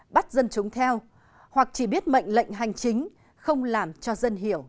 bắt dân chúng theo hoặc chỉ biết mệnh lệnh hành chính không làm cho dân hiểu